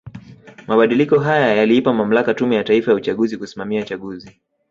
Mabadiliko haya yaliipa mamlaka Tume ya Taifa ya uchaguzi kusimamia chaguzi